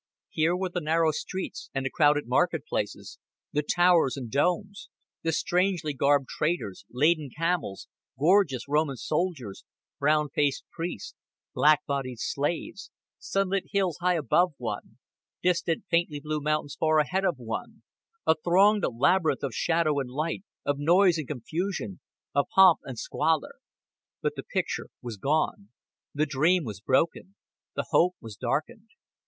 Here were the narrow streets and the crowded market places; the towers and domes; the strangely garbed traders, laden camels, gorgeous Roman soldiers, brown faced priests, black bodied slaves; sunlit hills high above one, distant faintly blue mountains far ahead of one a thronged labyrinth of shadow and light, of noise and confusion, of pomp and squalor. But the picture was gone, the dream was broken, the hope was darkened.